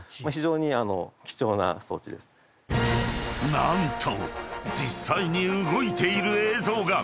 ［何と実際に動いている映像が！］